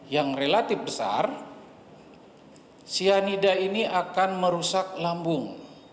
yang relatif besar cyanida ini akan merusak lambung